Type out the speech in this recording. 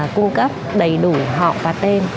cung cấp đầy đủ họ và tên